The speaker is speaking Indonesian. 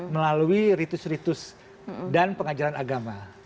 melalui ritus ritus dan pengajaran agama